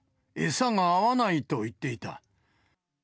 餌が合わないと言っていた。